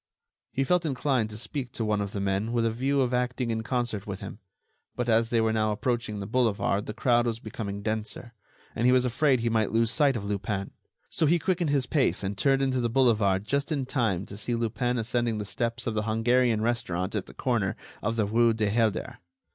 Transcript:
He felt inclined to speak to one of the men with a view of acting in concert with him; but as they were now approaching the boulevard the crowd was becoming denser, and he was afraid he might lose sight of Lupin. So he quickened his pace and turned into the boulevard just in time to see Lupin ascending the steps of the Hungarian restaurant at the corner of the rue du Helder.